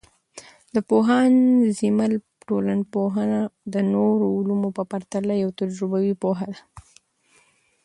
د پوهاند زیمل ټولنپوهنه د نورو علومو په پرتله یوه تجربوي پوهه ده.